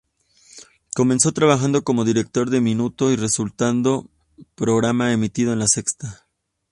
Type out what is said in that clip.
Comenzó trabajando como director de Minuto y resultado, programa emitido en La Sexta.